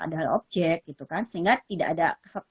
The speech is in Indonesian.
adalah objek gitu kan sehingga tidak ada